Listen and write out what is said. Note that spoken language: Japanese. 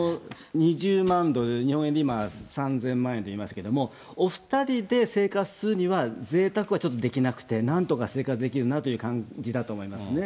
２０万ドル、日本円で今、３０００万円といいましたけれども、お２人で生活するにはぜいたくはちょっとできなくて、なんとか生活できるなという感じだと思いますね。